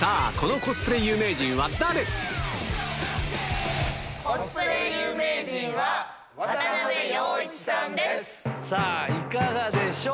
コスプレ有名人は、さあ、いかがでしょう？